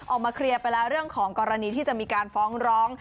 ออกมาเคลียร์ไปแล้วเรื่องของกรณีที่จะมีการฟ้องร้อง